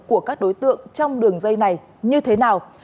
của các đối tượng trong đường dây này như thế nào